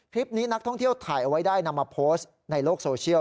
คลิปนี้นักท่องเที่ยวถ่ายเอาไว้ได้นำมาโพสต์ในโลกโซเชียล